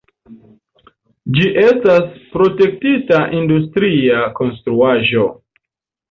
Ĝi estas protektita industria konstruaĵo.